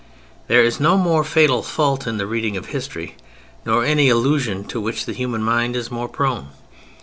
There is no more fatal fault in the reading of history, nor any illusion to which the human mind is more prone.